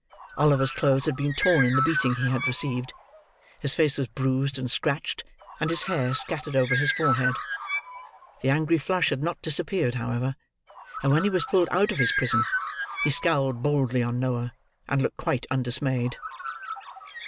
Oliver's clothes had been torn in the beating he had received; his face was bruised and scratched; and his hair scattered over his forehead. The angry flush had not disappeared, however; and when he was pulled out of his prison, he scowled boldly on Noah, and looked quite undismayed.